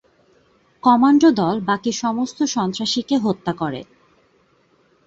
Commando দল বাকি সমস্ত সন্ত্রাসীকে হত্যা করে।